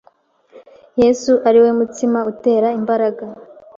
yesu ari we mutsima utera imbaraga.